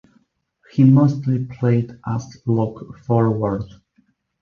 He mostly played as lock forward.